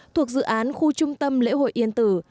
thuộc dự án khu trung tâm lễ hội yên tử